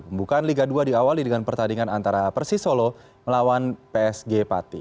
pembukaan liga dua diawali dengan pertandingan antara persisolo melawan psg pati